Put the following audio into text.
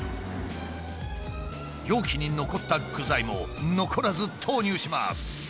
容器に残った具材も残らず投入します。